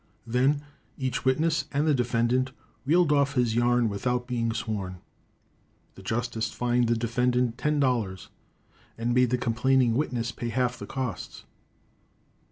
Then each witness and the defendant reeled off his yarn without being sworn. The justice fined the defendant ten dollars and made the complaining witness pay half the costs.